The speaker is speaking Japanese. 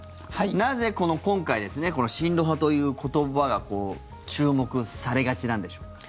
なぜ今回、親ロ派という言葉が注目されがちなんでしょうか。